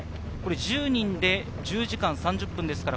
１０人で１０時間３０分ですから。